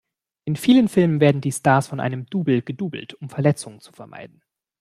In vielen Filmen werden die Stars von einem Double gedoublet um Verletzungen zu vermeiden.